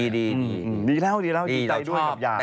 ดีแล้วดีใจด้วยกับหยาด